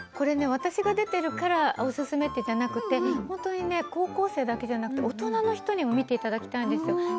私が出ているからおすすめというのではなくて本当に高校生だけではなくて大人の人にも見てもらいたいんですよね。